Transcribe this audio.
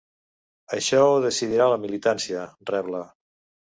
Això ho decidirà la militància, rebla.